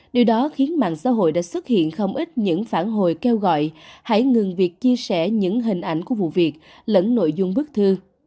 điều đó khiến mạng xã hội đã xuất hiện không ít những phản hồi kêu gọi hãy ngừng việc chia sẻ những hình ảnh của vụ việc lẫn nội dung bức thư